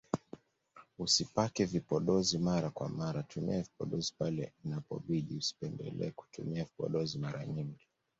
Usipake vipodozi mara kwa mara tumia vipodozi pale inapobidi usipendele kutumia vipodozi mara nyingi